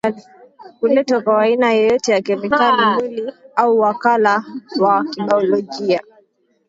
kuletwa kwa aina yoyote ya kemikali mwili au wakala wa kibaolojia